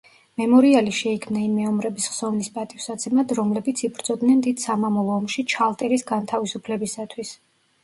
მემორიალი შეიქმნა იმ მეომრების ხსოვნის პატივსაცემად, რომლებიც იბრძოდნენ დიდ სამამულო ომში ჩალტირის განთავისუფლებისათვის.